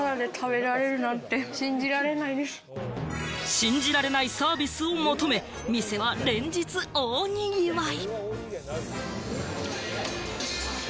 信じられないサービスを求め、店は連日大賑わい。